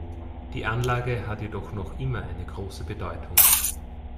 Die Anlage hat jedoch noch immer eine große Bedeutung.